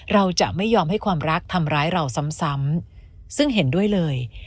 เราจะไม่ยอมให้ความรักทำร้ายเราซ้ำซึ่งเห็นด้วยเลย